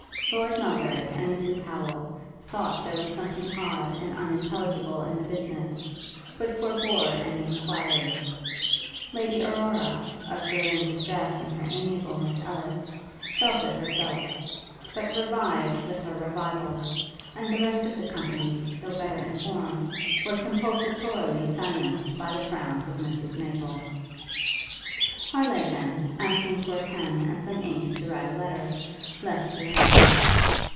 Lord Melbury and Mrs Howel thought there was something odd and unintelligible in the business, but forbore any enquiry; Lady Aurora, observing distress in her amiable Miss Ellis, felt it herself; but revived with her revival; and the rest of the company, though better informed, were compulsatorily silenced by the frowns of Mrs Maple. Harleigh then, asking for a pen and some ink to write a letter, left the room.